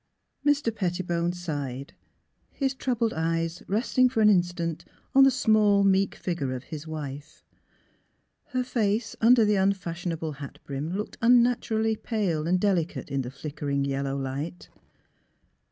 Mr. Pettibone sighed, his troubled eyes resting for an instant on the small, meek figure of his wife. Her face under the unfashionable hat brim looked unnaturally pale and delicate in the flickering yel low light.